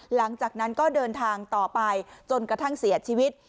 หลังจากนั้นก็เดินทางต่อไปจนกระทั่งเสียชีวิต